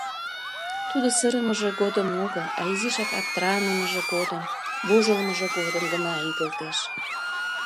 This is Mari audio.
Тудо сырымыже годым огыл, а изишак аптыранымыже годым, вожылмыжо годым гына игылтеш.